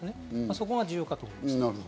そこが重要だと思います。